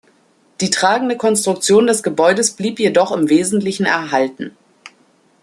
Die tragende Konstruktion des Gebäudes blieb jedoch im Wesentlichen erhalten.